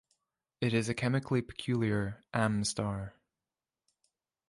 It is a chemically peculiar Am star.